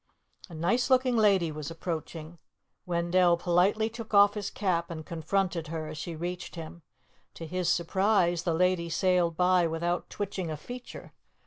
A nice looking lady was approaching. Wendell politely took off his cap and confronted her as she reached him. To his surprise, the lady sailed by without twitching a feature.